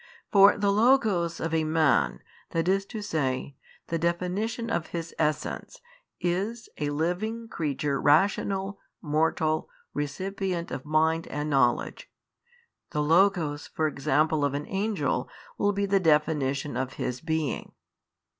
For the λόγος of a man, i. e., the definition of his essence, is, a living creature rational, mortal, recipient of mind and knowledge: the λόγος for example of an angel will be the definition of his being.